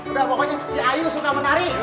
udah pokoknya si ayu suka menari